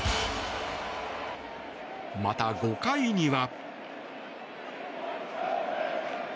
また、５回には。